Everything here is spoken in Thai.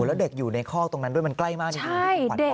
แล้วเด็กอยู่ในคอกตรงนั้นด้วยมันใกล้มากจริงที่คุณขวัญบอก